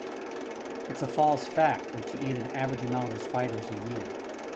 It's a false fact that you eat an average amount of spiders a year.